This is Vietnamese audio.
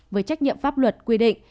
với trách nhiệm pháp luật quy định